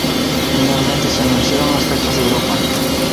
Finalmente se anunciaron las fechas de Europa.